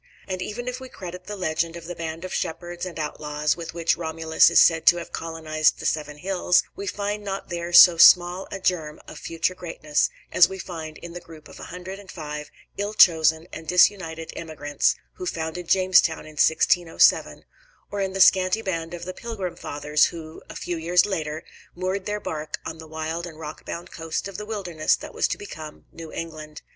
And even if we credit the legend of the band of shepherds and outlaws with which Romulus is said to have colonized the Seven Hills, we find not there so small a germ of future greatness, as we find in the group of a hundred and five ill chosen and disunited emigrants who founded Jamestown in 1607, or in the scanty band of the Pilgrim Fathers, who, a few years later, moored their bark on the wild and rock bound coast of the wilderness that was to become New England.